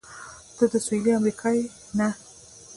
ته د سهېلي امریکا یې؟ نه.